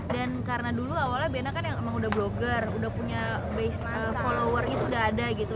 dan karena dulu awalnya bnn kan emang udah blogger udah punya base follower itu udah ada gitu